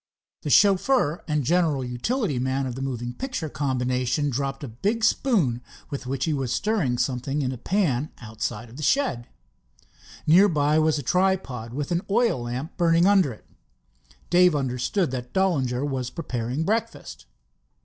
The chauffeur and general utility man of the moving picture combination dropped a big spoon with which he was stirring something in a pan outside of the shed. Near by was a tripod with an oil lamp burning under it. Dave understood that Dollinger was preparing breakfast.